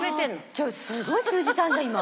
じゃあすごい通じたんだ今。